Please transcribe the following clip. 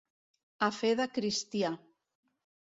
A fe de cristià.